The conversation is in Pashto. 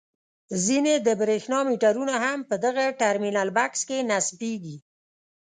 ځینې د برېښنا میټرونه هم په دغه ټرمینل بکس کې نصبیږي.